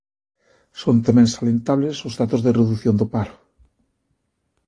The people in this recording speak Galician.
Son tamén salientables os datos de redución do paro.